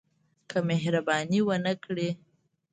که مهرباني ونه کړي.